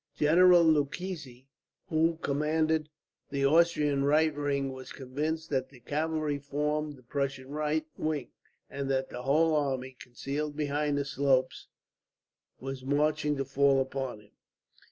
General Lucchesi, who commanded the Austrian right wing, was convinced that the cavalry formed the Prussian right wing, and that the whole army, concealed behind the slopes, was marching to fall upon him.